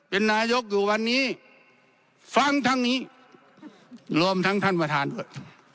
เป็นนายกอยู่วันนี้ฟังทั้งนี้รวมทั้งท่านประธานด้วย